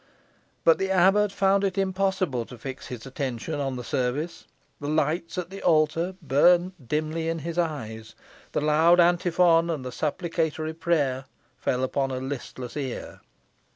But the abbot found it impossible to fix his attention on the service. The lights at the altar burnt dimly in his eyes the loud antiphon and the supplicatory prayer fell upon a listless ear.